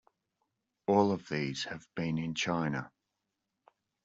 All of these have been in China.